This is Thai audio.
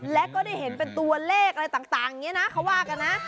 และก็ได้เห็นเป็นตัวเลขอะไรต่างอย่างนี้นะเขาว่ากันนะ